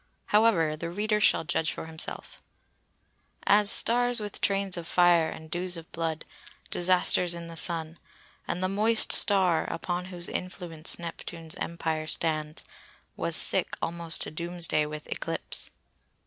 However the reader shall judge for himself:— "As stars with trains of fire and dews of blood, Disasters in the Sun; and the moist star, Upon whose influence Neptune's Empire stands, Was sick almost to doomsday with eclipse."